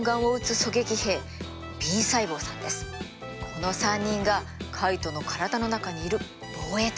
この３人がカイトの体の中にいる防衛隊です。